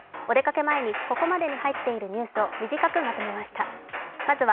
お出かけ前にここまでに入っているニュースを短くまとめました。